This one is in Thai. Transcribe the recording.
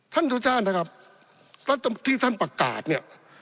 ท่านทุกชาตินะครับแล้วที่ท่านประกาศเนี่ย